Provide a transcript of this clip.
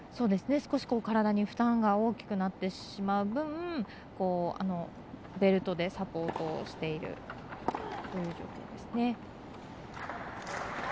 少し体に負担が大きくなってしまう分ベルトでサポートをしています。